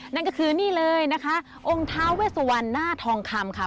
นั่นก็คือนี่เลยนะคะองค์ท้าเวสวันหน้าทองคำค่ะ